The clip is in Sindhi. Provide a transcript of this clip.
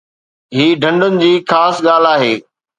هي ڍنڍن جي خاص ڳالهه آهي